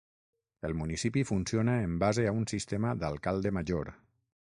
El municipi funciona en base a un sistema "d'alcalde major".